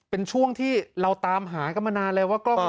เป็นช่วงที่เราตามหากรรมานาแล้ว